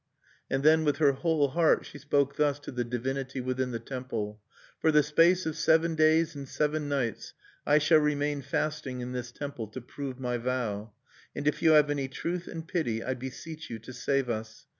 And then, with her whole heart, she spoke thus to the divinity within the temple: "For the space of seven days and seven nights I shall remain fasting in this temple, to prove my vow; and if you have any truth and pity, I beseech you to save us.